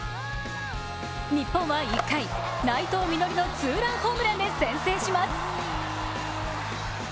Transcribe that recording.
日本は１回、内藤実穂のツーランホームランで先制します。